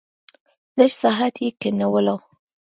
لږ ساعت یې کېنولو.